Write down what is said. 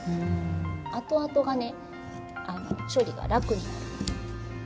あとあとがね処理が楽になる。